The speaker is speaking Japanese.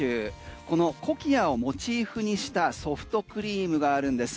このコキアをモチーフにしたソフトクリームがあるんです。